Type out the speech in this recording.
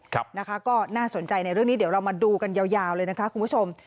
นะคะก็น่าสนใจในเรื่องนี้เดี๋ยวเรามาดูกันยาวเลยนะคะคุณผู้ชม